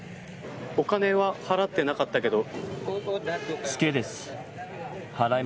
お金は払ってなかったけど。